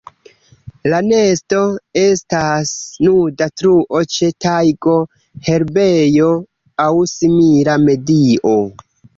La nesto estas nuda truo ĉe tajgo, herbejo aŭ simila medio.